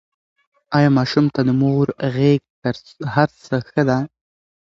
ایا ماشوم ته د مور غېږ تر هر څه ښه ده؟